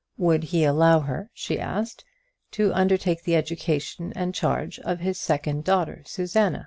Would he allow her, she asked, to undertake the education and charge of his second daughter, Susanna?